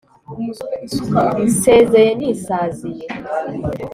Nsezeye nisaziye